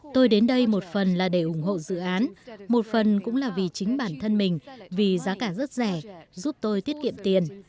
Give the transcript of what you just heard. tôi đến đây một phần là để ủng hộ dự án một phần cũng là vì chính bản thân mình vì giá cả rất rẻ giúp tôi tiết kiệm tiền